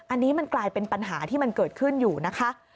อันนี้มันกลายเป็นปัญหาที่มันเกิดขึ้นอยู่นะคะ